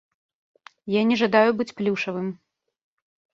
Я не жадаю быць плюшавым.